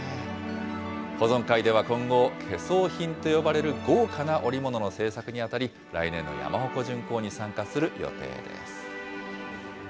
保存会では今後、懸装品と呼ばれる豪華な織物の製作にあたり、来年の山鉾巡行に参加する予定です。